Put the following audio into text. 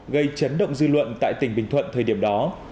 gây chấn động dư luận tại tỉnh bình thuận thời điểm đó